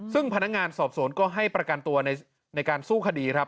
ซึ่งพนักงานสอบสวนก็ให้ประกันตัวในการสู้คดีครับ